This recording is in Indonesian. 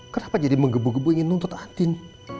kenapa jadi menggebu gebu ingin nuntut atin